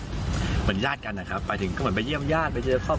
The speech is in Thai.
เพราะว่าผมจะไปก่อเต่าเป็นประจำอยู่แล้ว